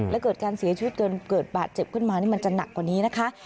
แล้วเกิดการเสียชีวิตจนเกิดบาดเจ็บขึ้นมานี่มันจะหนักกว่านี้นะคะ